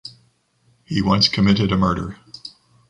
He once committed a murder.